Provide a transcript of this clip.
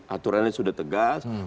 aturannya sudah tegas